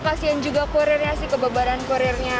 kasian juga kurirnya sih kebebaran kurirnya